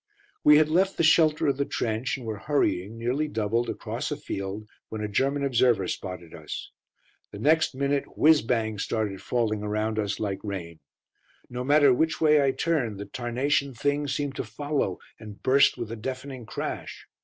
We had left the shelter of the trench, and were hurrying, nearly doubled, across a field, when a German observer spotted us. The next minute "whizz bangs" started falling around us like rain. No matter which way I turned, the tarnation things seemed to follow and burst with a deafening crash.